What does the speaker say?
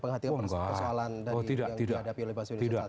penghatian persoalan yang dihadapi oleh pak presiden